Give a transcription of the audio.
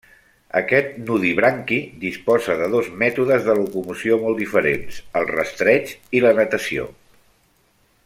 Aquest nudibranqui disposa de dos mètodes de locomoció molt diferents: el rastreig i la natació.